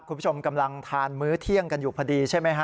คุณผู้ชมกำลังทานมื้อเที่ยงกันอยู่พอดีใช่ไหมฮะ